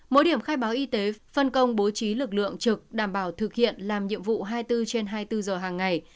mỗi điểm khai báo y tế phân công bố trí lực lượng trực đảm bảo thực hiện làm nhiệm vụ hai mươi bốn trên hai mươi bốn giờ hàng ngày